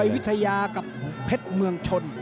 วิทยากับเพชรเมืองชน